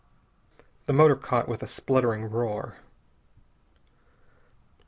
The motor caught with a spluttering roar.